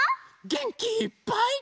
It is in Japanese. げんきいっぱい。